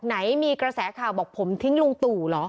ไหนมีกระแสข่าวบอกผมทิ้งลุงตู่เหรอ